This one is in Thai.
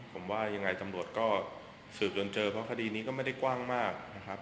ผมว่ายังไงตำรวจก็สืบจนเจอเพราะคดีนี้ก็ไม่ได้กว้างมากนะครับ